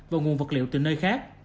và nguồn vật liệu từ nơi khác